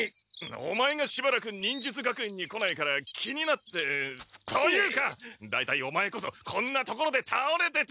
オマエがしばらく忍術学園に来ないから気になってというか大体オマエこそこんな所でたおれてて！